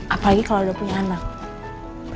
apalagi kalau udah punya anak